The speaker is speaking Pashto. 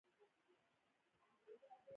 له زرهاوو تنو زیات سلیمان خېل او ناصر ووژل شول.